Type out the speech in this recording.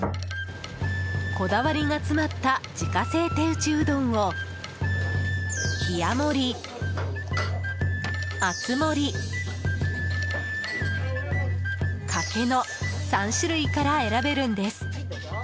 こだわりが詰まった自家製手打ちうどんを冷盛、熱盛、かけの３種類から選べるんです。